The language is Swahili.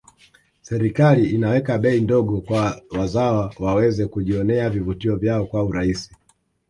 serikali inaweka bei ndogo kwa wazawa waweze kujionea vivutio vyao kwa urahisi